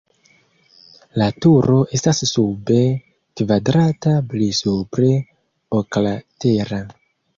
La turo estas sube kvadrata, pli supre oklatera.